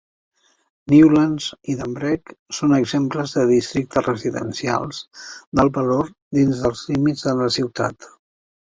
Newlands i Dumbreck són exemples de districtes residencials d'alt valor dins els límits de la ciutat.